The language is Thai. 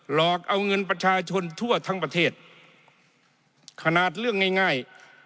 หลอกเอาเงินประชาชนทั่วทั้งประเทศขนาดเรื่องง่ายง่าย